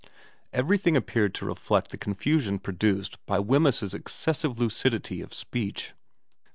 Everything appeared to reflect the confusion produced by Wemyss's excessive lucidity of speech.